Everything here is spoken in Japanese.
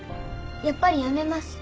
やっぱりやめます。